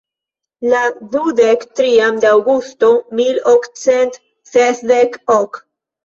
La dudek trian de Aŭgusto mil okcent sesdek ok.